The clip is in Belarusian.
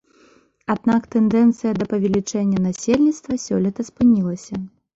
Аднак тэндэнцыя да павелічэння насельніцтва сёлета спынілася.